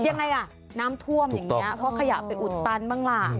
ยังไงอ่ะน้ำท่วมอย่างนี้เพราะขยะไปอุดตันบ้างล่ะ